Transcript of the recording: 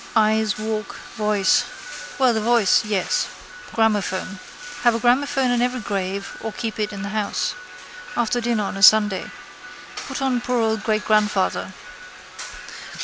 Eyes, walk, voice. Well, the voice, yes: gramophone. Have a gramophone in every grave or keep it in the house. After dinner on a Sunday. Put on poor old greatgrandfather.